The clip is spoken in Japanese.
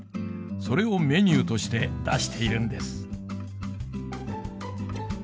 それをメニューとして出しているんです。